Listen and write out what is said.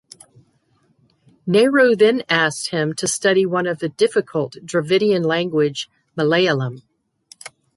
Nehru then asked him to study one of the difficult Dravidian language Malayalam.